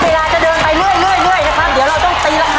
เวลาจะเดินไปเรื่อยเรื่อยเรื่อยนะครับเดี๋ยวเราต้องตีละครั้ง